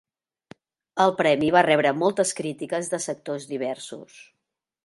El premi va rebre moltes crítiques de sectors diversos.